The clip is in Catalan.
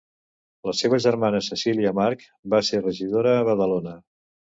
La seva germana Cecília March, va ser regidora a Badalona.